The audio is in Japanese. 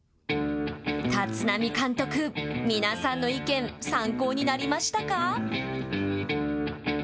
立浪監督、皆さんの意見、参考になりましたか。